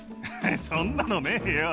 そんなのねーよ。